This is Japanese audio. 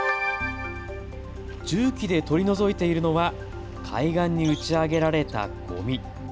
重機で取り除いているのは海岸に打ち上げられたごみ。